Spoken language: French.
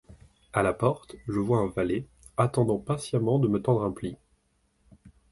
À la porte, je vois un valet, attendant patiemment de me tendre un pli.